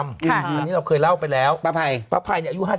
อันนี้เราเคยเล่าไปแล้วป้าไพ